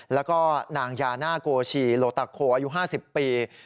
แล้วก็นางยาน่าโกชีโลตาโคอายุ๕๐ปี